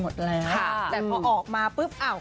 โปรดติดตามต่อไป